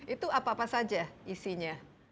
itu apa apa saja isinya